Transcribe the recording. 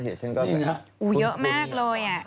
เยอะมากเลย